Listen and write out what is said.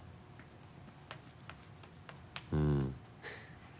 うん。